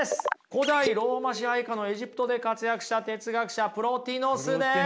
古代ローマ支配下のエジプトで活躍した哲学者プロティノスです。